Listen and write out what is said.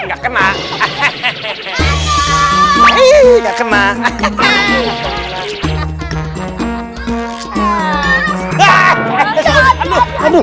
jalan atau lari itu pakai mata kepala pundak lutut